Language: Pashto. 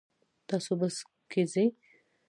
تاسو بس کې ځئ؟